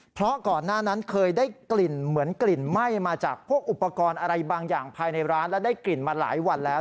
เพราะก่อนหน้านั้นเคยได้กลิ่นเหมือนกลิ่นไหม้มาจากพวกอุปกรณ์อะไรบางอย่างภายในร้านและได้กลิ่นมาหลายวันแล้ว